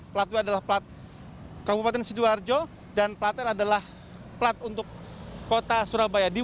plat w adalah plat kabupaten sidoarjo dan plat l adalah plat untuk kota surabaya